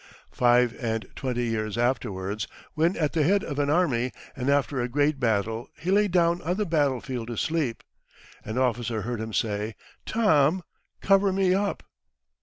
Five and twenty years afterwards, when at the head of an army, and after a great battle, he lay down on the battlefield to sleep. An officer heard him say, "Tom, cover me up."